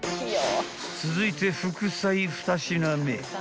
［続いて副菜２品目］